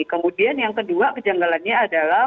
kemudian yang kedua kejanggalannya adalah